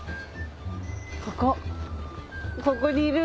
ここここにいる。